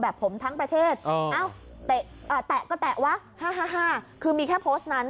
ผมทั้งประเทศเอ้าแตะก็แตะวะ๕๕คือมีแค่โพสต์นั้น